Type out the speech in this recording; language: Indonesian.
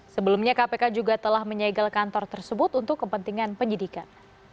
sebelumnya kpk juga telah menyegel kantor tersebut untuk kepentingan penyidikan